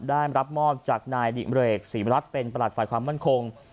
ได้รับมอบจากนายดิเรกศรีมรัฐเป็นประหลัดฝ่ายความมั่นคง